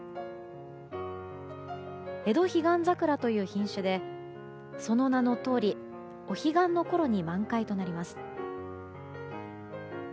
エドヒガンザクラという品種でその名のとおりお彼岸のころに満開となります。